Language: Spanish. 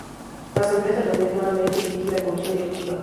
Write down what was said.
La asamblea se reúne anualmente y elige la Comisión Directiva.